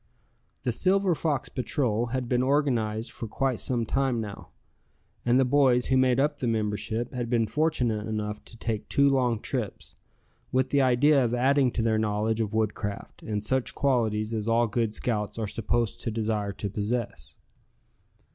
The Silver Fox Patrol had been organized for quite some time now, and the boys who made up the membership had been fortunate enough to take two long trips, with the idea of adding to their knowledge of woodcraft, and such qualities as all good scouts are supposed to desire to possess.